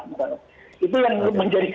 itu yang menjadi kekhawatiran tersebut